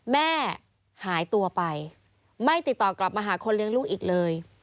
แม่หายตัวไปไม่ติดต่อกลับมาหาคนเลี้ยงลูกอีกเลย